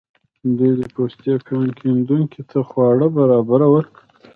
دوی د پوتسي کان کیندونکو ته خواړه برابرول.